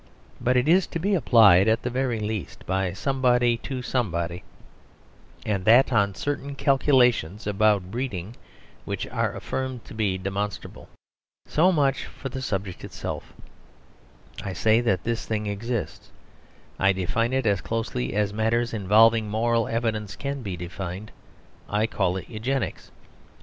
But it is to be applied at the very least by somebody to somebody, and that on certain calculations about breeding which are affirmed to be demonstrable. So much for the subject itself. I say that this thing exists. I define it as closely as matters involving moral evidence can be defined; I call it Eugenics.